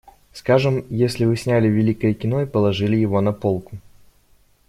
Скажем, если вы сняли великое кино и положили его на полку.